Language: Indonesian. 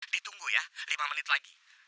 ditunggu ya lima menit lagi